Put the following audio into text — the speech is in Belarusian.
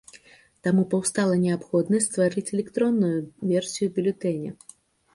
Таму паўстала неабходнасць стварыць электронную версію бюлетэня.